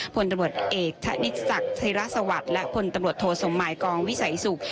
ผลตรวจเอกทะนิสักธิรัสวัตรและผลตรวจโทสมายกองวิสัยศุกร์